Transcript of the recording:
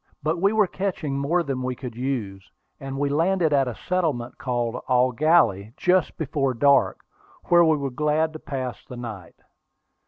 But we were catching more than we could use, and we landed at a settlement called Eau Gallie just before dark, where we were glad to pass the night.